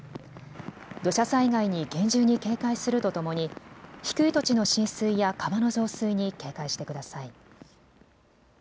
土砂災害に厳重に警戒するとともに低い土地の浸水や川の増水に警戒してください。